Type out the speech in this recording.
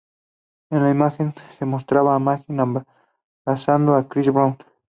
En la imagen se mostraba a Minaj abrazando a Chris Brown.